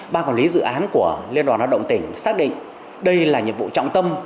ba quản lý dự án của liên đoàn hoạt động tỉnh xác định đây là nhiệm vụ trọng tâm